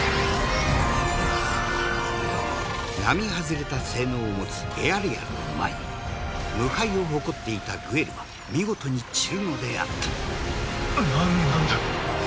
並外れた性能を持つエアリアルの前に無敗を誇っていたグエルは見事に散るのであった何なんだ